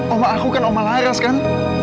oma aku kan oma laras kan